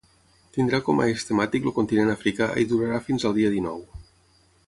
Tindrà com a eix temàtic el continent africà i durarà fins al dia dinou.